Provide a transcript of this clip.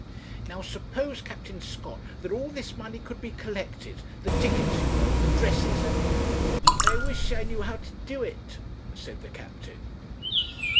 'Now suppose, Captain Scott, that all this money could be collected. The tickets, you know, and the dresses, and ' 'I wish I knew how to do it,' said the captain.